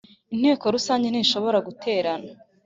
Inteko Rusange ntishobora guterana